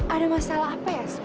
ada masalah apa ya soe